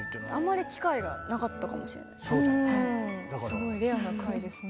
すごいレアな回ですね。